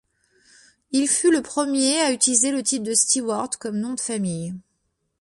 Il fut le premier à utiliser le titre de Steward comme nom de famille.